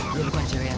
lo bukan cewek